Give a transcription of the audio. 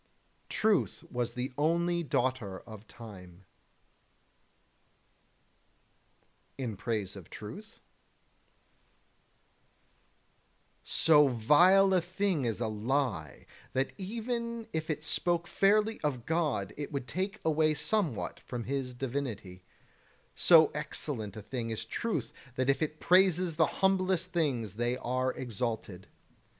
21. Truth was the only daughter of time. [Sidenote: In Praise of Truth] 22. So vile a thing is a lie that even if it spoke fairly of God it would take away somewhat from His divinity; and so excellent a thing is truth that if it praises the humblest things they are exalted.